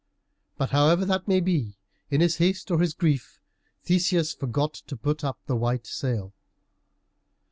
But, however that may be, in his haste or his grief, Theseus forgot to put up the white sail.